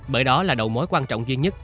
bởi đó là đầu mối quan trọng duy nhất